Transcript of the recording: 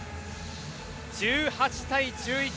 １８対１１